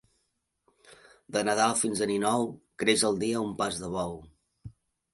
De Nadal fins a Ninou, creix el dia un pas de bou.